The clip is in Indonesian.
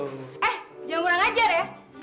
eh jangan kurang ajar ya